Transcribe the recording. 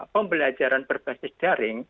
pembelajaran berbasis daring